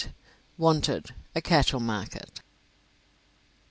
WANTED, A CATTLE MARKET.